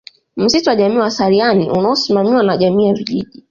Msitu wa Jamii wa Sariani unaosimamiwa na jamii ya vijiji